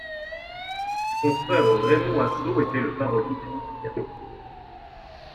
Son frère Raymond Asso était le parolier d’Édith Piaf.